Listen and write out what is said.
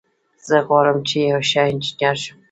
زه غواړم چې یو ښه انجینر شم